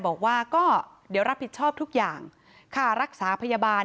บอกว่าก็เดี๋ยวรับผิดชอบทุกอย่างค่ารักษาพยาบาล